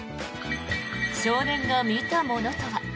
少年が見たものとは？